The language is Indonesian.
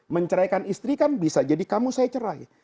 menceraikan istri kan bisa jadi kamu saya cerai